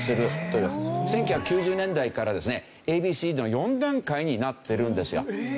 １９９０年代からですねＡＢＣＤの４段階になってるんですよ。